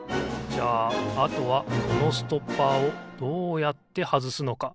じゃああとはこのストッパーをどうやってはずすのか？